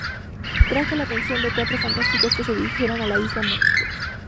Trajo la atención a los Cuatro Fantásticos que se dirigieron a Isla Monstruo.